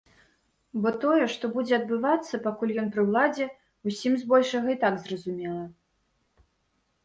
Бо тое, што будзе адбывацца, пакуль ён пры ўладзе, усім збольшага і так зразумела.